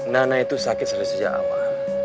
nana itu sakit dari sejak awal